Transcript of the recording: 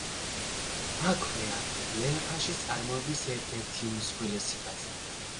აქვეა ლელქაშის წარმოების ერთ-ერთი უმსხვილესი ბაზა.